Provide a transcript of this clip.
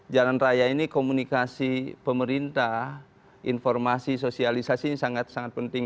jalan raya ini komunikasi pemerintah informasi sosialisasi ini sangat sangat penting